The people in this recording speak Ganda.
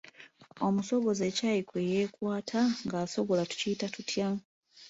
Omusogozi ekyayi kwe yeekwata ng’asogola tukiyita tutya?